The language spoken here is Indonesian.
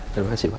terima kasih pak